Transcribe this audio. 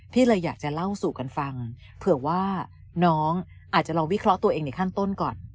พี่เลยอยากจะเล่าสู่กันฟังเผื่อว่าน้องอาจจะลองวิเคราะห์ตัวเองในขั้นต้นก่อน